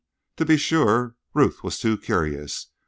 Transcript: To be sure, Ruth was too curious.